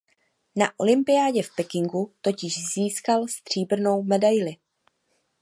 Na olympiádě v Pekingu totiž získal stříbrnou medaili.